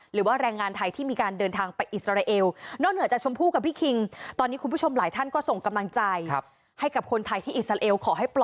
หรือว่าแรงงานไทยที่มีการเดินทางไปอิสราเอล